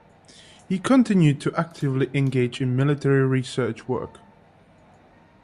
He continued to actively engage in military research work.